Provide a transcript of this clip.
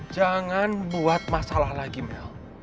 jangan buat masalah lagi mel